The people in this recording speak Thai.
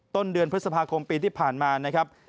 ต้นเดือนพฤษภาคมปีที่ผ่านมานะครับ